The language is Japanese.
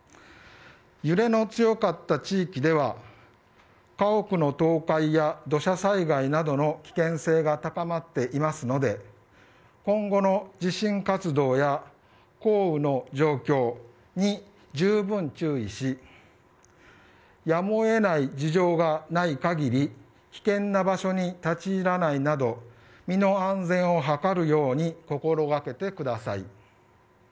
揺れの強かった地域では家屋の倒壊や土砂災害などの危険性が高まっていますので今後の地震活動や降雨の状況にじゅうぶん注意しやむを得ない事情がない限り危険な場所に立ち入らないなど身の安全を図るように心掛けてください。